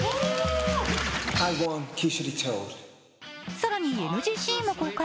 更にＮＧシーンも公開。